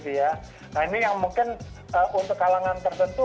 nah ini yang mungkin untuk kalangan tertentu